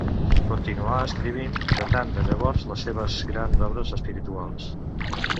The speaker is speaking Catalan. Continuà escrivint, datant de llavors les seves grans obres espirituals.